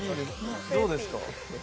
どうですか？